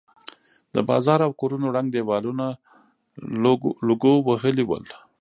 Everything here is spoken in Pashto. د بازار او کورونو ړنګ دېوالونه لوګو وهلي ول.